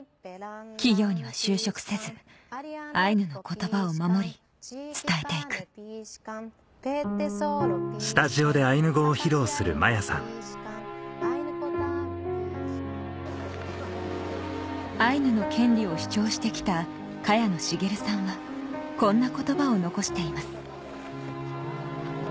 企業には就職せずアイヌの言葉を守り伝えて行くアイヌの権利を主張して来た萱野茂さんはこんな言葉を残しています